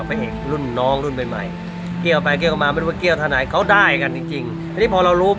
พ่อผมเริ่มมาเป็นตัวพ่อ